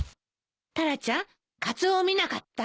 タラちゃんカツオを見なかった？